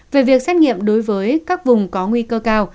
về việc xét nghiệm đối với các vùng có nguy cơ cao